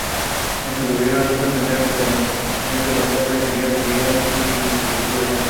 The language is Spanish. Ella admitió su orientación homosexual por primera vez con esta confesión.